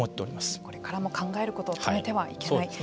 これからも考えることを止めてはいけない。